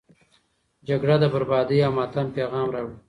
جګړه د بربادي او ماتم پیغام راوړي.